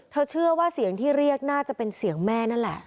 เชื่อว่าเสียงที่เรียกน่าจะเป็นเสียงแม่นั่นแหละ